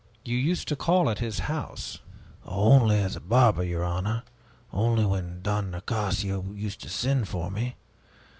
You used to call at his house " "Only as a barber, your honor! Only when Don Nicasio used to send for me.